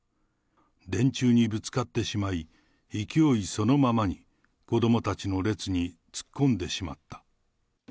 電柱にぶつかってしまい、勢いそのままに子どもたちの列に突っ込んでしまった。